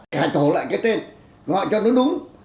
cải thổ lại cái tên gọi cho nó đúng